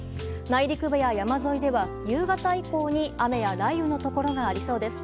内陸部や山沿いでは、夕方以降に雨や雷雨のところがありそうです。